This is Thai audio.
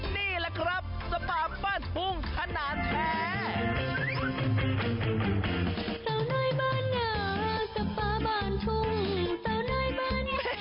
นี่แหละครับสปาบ้านทุ่งขนาดแท้